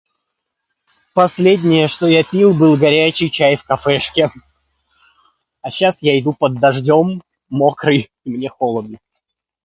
Последнее, что я пил был горячий чай в кафешке... а сейчас я иду под дождём, мокрый, и мне холодно.